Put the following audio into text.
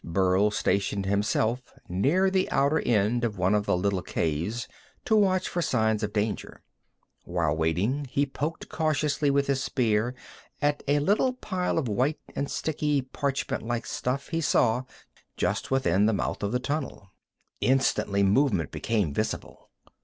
Burl stationed himself near the outer end of one of the little caves to watch for signs of danger. While waiting he poked curiously with his spear at a little pile of white and sticky parchment like stuff he saw just within the mouth of the tunnel. Instantly movement became visible.